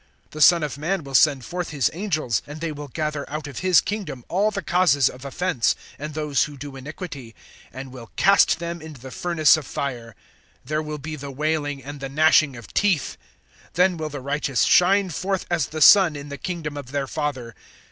(41)The Son of man will send forth his angels, and they will gather out of his kingdom all the causes of offense, and those who do iniquity, (42)and will cast them into the furnace of fire; there will be the wailing, and the gnashing of teeth! (43)Then will the righteous shine forth as the sun in the kingdom of their Father.